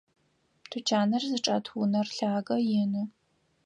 Тучаныр зычӏэт унэр лъагэ, ины.